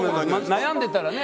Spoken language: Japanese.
悩んでたらね。